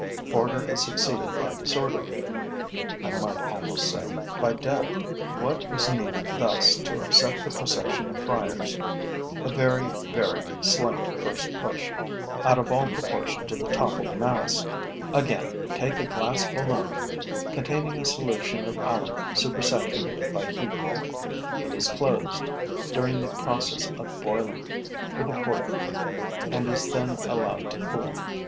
Order is succeeded by disorder, I might almost say, by death. What was needed thus to upset the procession of friars? A very, very slight first push, out of all proportion to the toppled mass. Again, take a glass balloon containing a solution of alum supersaturated by heat. It is closed, during the process of boiling, with a cork and is then allowed to cool.